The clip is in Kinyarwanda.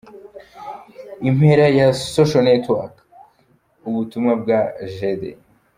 Impera ya {socialnetworck} ubutumwa bwa Gede.